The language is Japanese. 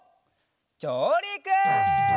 じょうりく！